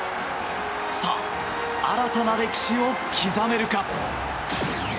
さあ、新たな歴史を刻めるか？